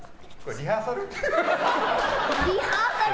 リハーサル？